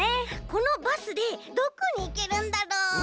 このバスでどこにいけるんだろう？